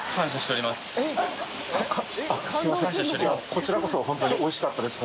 こちらこそ本当においしかったです